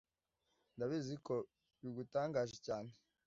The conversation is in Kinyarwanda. ndabizi ko bigutangaje cyane